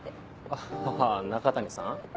あ中谷さん？